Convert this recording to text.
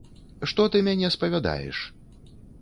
Што ты мяне спавядаеш?